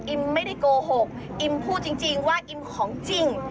ไม่ได้โกหกอิมพูดจริงว่าอิมของจริง